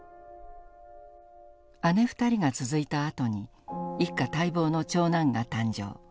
姉２人が続いたあとに一家待望の長男が誕生。